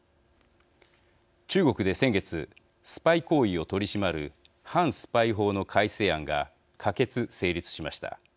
中国で先月スパイ行為を取り締まる反スパイ法の改正案が可決成立しました。